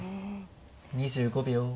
２５秒。